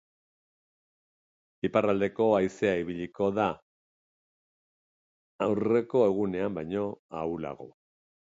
Iparraldeko haizea ibiliko da, aurreko egunean baino ahulago.